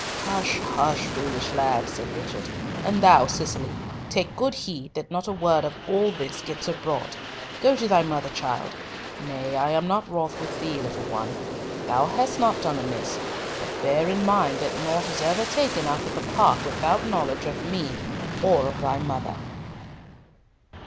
"Hush, hush! foolish lad," said Richard, "and thou, Cicely, take good heed that not a word of all this gets abroad. Go to thy mother, child,—nay, I am not wroth with thee, little one. Thou hast not done amiss, but bear in mind that nought is ever taken out of the park without knowledge of me or of thy mother."